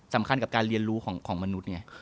สำคัญกับการเรียนรู้ของมนุษย์ไง